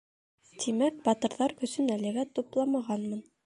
Тимәк, батырҙар көсөн әлегә тупламағанмын.